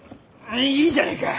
いいじゃねえか！